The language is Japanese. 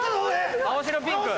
青白ピンク。